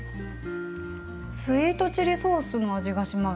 スイートチリソースの味がします。